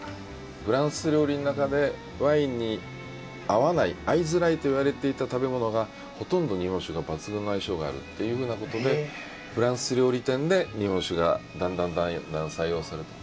フランス料理の中でワインに合わない合いづらいと言われていた食べ物がほとんど日本酒が抜群の相性があるっていうふうなことでフランス料理店で日本酒がだんだん採用される。